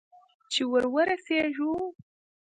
چې ور ورسېږو؟